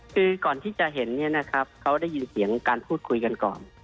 คือก่อนที่จะเห็นเนี่ยนะครับเขาได้ยินเสียงการพูดคุยกันก่อน